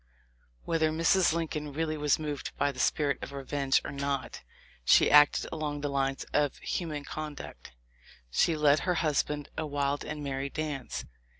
Whether Mrs. Lincoln really was moved by the spirit of re venge or not she acted along the lines of human conduct. She led her husband a wild and merry dance.